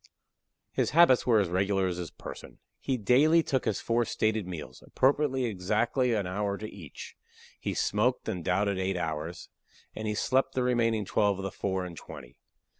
His habits were as regular as his person. He daily took his four stated meals, appropriating exactly an hour to each; he smoked and doubted eight hours, and he slept the remaining twelve of the four and twenty.